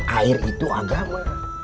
air itu agama